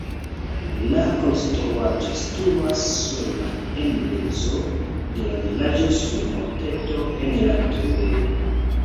La konstruaĵo situas sola en mezo de la vilaĝo sur monteto en la tombejo.